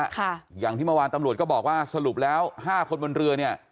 ค่ะอย่างที่เมื่อวานตำรวจก็บอกว่าสรุปแล้วห้าคนบนเรือเนี่ย